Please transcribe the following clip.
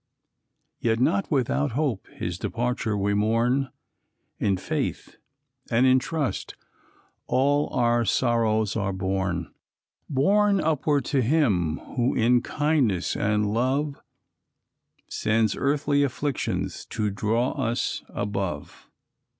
Yet not without hope his departure we mourn, In faith and in trust, all our sorrows are borne, Borne upward to Him who in kindness and love Sends earthly afflictions to draw us above.